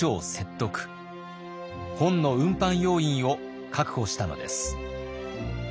本の運搬要員を確保したのです。